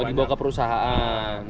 oh dibawa ke perusahaan